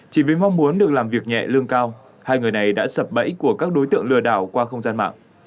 chỉ với mong muốn được làm việc nhẹ lương cao hai người này đã sập bẫy của các đối tượng lừa đảo qua không gian mạng